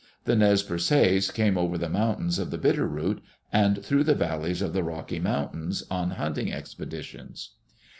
The Nez Perces came over the mountains of the Bitter Root, and through the valleys of the Rocky Mountains, on hunting expeditions.